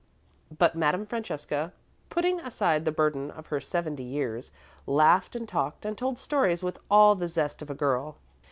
But Madame Francesca, putting aside the burden of her seventy years, laughed and talked and told stories with all the zest of a girl.